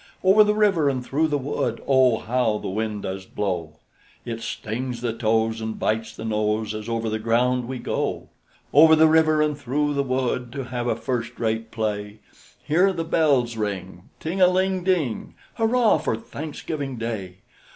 Over the river and through the wood Oh, how the wind does blow! It stings the toes And bites the nose, As over the ground we go. Over the river and through the wood, To have a first rate play. Hear the bells ring, "Ting a ling ding!" Hurrah for Thanksgiving Day!